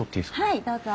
はいどうぞ。